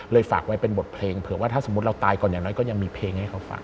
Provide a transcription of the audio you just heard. ฝากไว้เป็นบทเพลงเผื่อว่าถ้าสมมุติเราตายก่อนอย่างน้อยก็ยังมีเพลงให้เขาฟัง